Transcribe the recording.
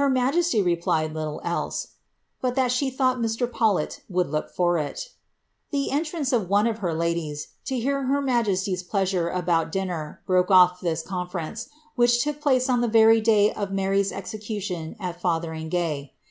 Her majesty replied Etile else, ^ but that she thought Mr. Paulet would look for iL' ^* The entrance of one of her ladies, to hear her majesty's pleasure about dnner, broke off this conference, which took place on the very day of Kary's execution at Fotheringaye.